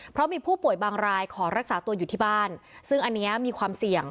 เพราะมีผู้ป่วยบางรายขอรักษาตัวอยู่ที่บ้านซึ่งอันนี้มีความเสี่ยง